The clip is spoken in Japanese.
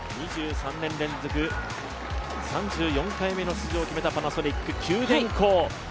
２３年連続、３４回目の出場を決めたパナソニック。